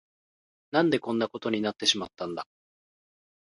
何でこんなことになってしまったんだ。